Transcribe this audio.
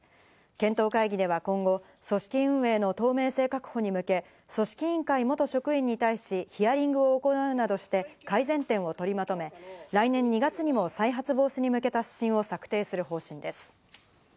検討会議では今後、組織運営の透明性確保に向け、組織委員会元職員に対し、ヒアリングを行うなどして改善点をとりまとめ、来年２月にも再発防止に向けた指針を策定する方針です。